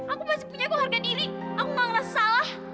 aku masih punya kehargaan diri aku gak ngerasa salah